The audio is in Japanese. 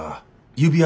指輪？